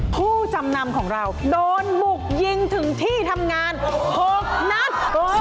ผู้จำนำของเราโดนบุกยิงถึงที่ทำงาน๖นัด